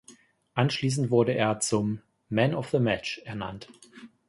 Anschließend wurde er zum „Man of the Match“ ernannt.